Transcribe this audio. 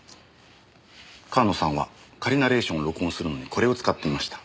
川野さんは仮ナレーションを録音するのにこれを使っていました。